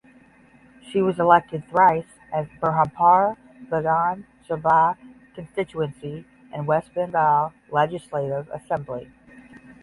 She was elected thrice as Berhampore Vidhan Sabha Constituency in West Bengal Legislative Assembly.